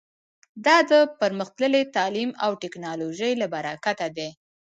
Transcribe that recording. دا د پرمختللي تعلیم او ټکنالوژۍ له برکته دی